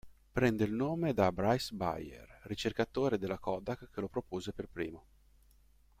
Prende il nome da Bryce Bayer, ricercatore della Kodak che lo propose per primo.